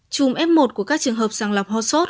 chùm f một của các trường hợp sàng lọc ho sốt